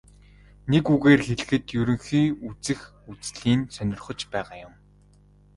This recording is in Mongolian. Нэг үгээр хэлэхэд ертөнцийг үзэх үзлий нь сонирхож байгаа юм.